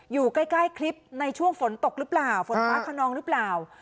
อยู่ใกล้คลิปในช่วงฝนตกหรือเปล่าฝนฟ้าขนองหรือเปล่า